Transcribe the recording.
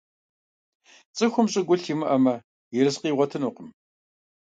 ЦӀыхум щӀыгулъ имыӀэмэ, ерыскъы игъуэтынукъым.